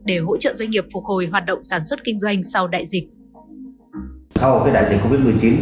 để hỗ trợ doanh nghiệp phục hồi hoạt động sản xuất kinh doanh sau đại dịch